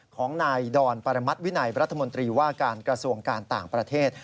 ของนายดอนปรมัติวินัยรัฐมนตรีว่าการกระทรวงการต่างประเทศ